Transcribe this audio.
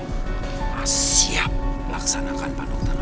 sudah siap melaksanakan pak dokter